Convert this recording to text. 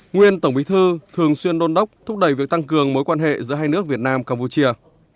nguyên tổng bí thư thường xuyên đôn đốc thúc đẩy việc tăng cường mối quan hệ giữa hai nước việt nam campuchia